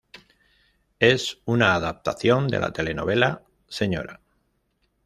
Es una adaptación de la telenovela "Señora".